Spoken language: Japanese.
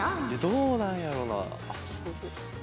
どうなんやろうな。